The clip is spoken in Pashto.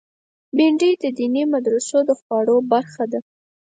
بېنډۍ د دیني مدرسو د خواړو برخه ده